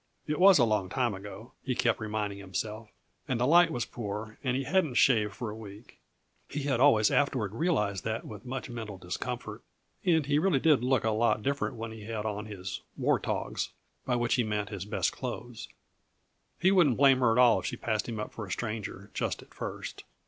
It was a long time ago, he kept reminding himself, and the light was poor and he hadn't shaved for a week he had always afterward realized that with much mental discomfort and he really did look a lot different when he had on his "war togs," by which he meant his best clothes. He wouldn't blame her at all if she passed him up for a stranger, just at first.